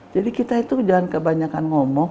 jadi kita itu jangan kebanyakan ngomong